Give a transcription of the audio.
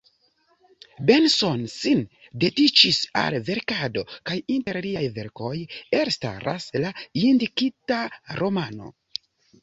Benson sin dediĉis al verkado; kaj inter liaj verkoj elstaras la indikita romano.